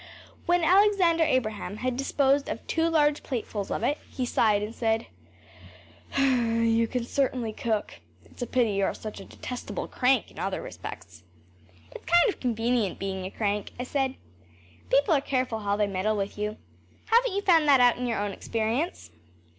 When Alexander Abraham had disposed of two large platefuls of it, he sighed and said, “You can certainly cook. It’s a pity you are such a detestable crank in other respects.‚ÄĚ “It’s kind of convenient being a crank,‚ÄĚ I said. “People are careful how they meddle with you. Haven’t you found that out in your own experience?